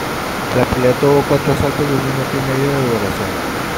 La pelea tuvo cuatro asaltos de un minuto y medio de duración.